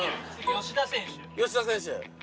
吉田選手。